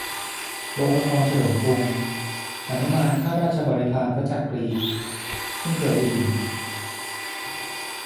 โรงละครเฉลิมกรุง :"หนุมานข้าราชบริพารพระจักรี" เพิ่งเคยได้ยิน